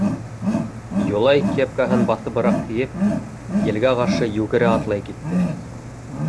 Юлай, кепкаһын баҫыбыраҡ кейеп, елгә ҡаршы йүгерә-атлай китте.